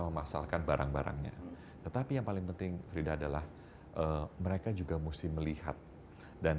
memasalkan barang barangnya tetapi yang paling penting frida adalah mereka juga mesti melihat dan